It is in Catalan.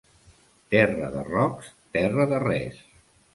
Terra de rocs, terra de res.